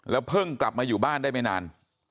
เพิ่งกลับมาอยู่บ้านได้ไม่นาน